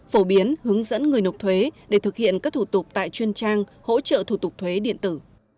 phổ biến hướng dẫn người nộp thuế để thực hiện các thủ tục tại chuyên trang hỗ trợ thủ tục thuế điện tử